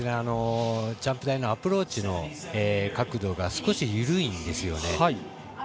ジャンプ台のアプローチの角度が少し緩いんですよね。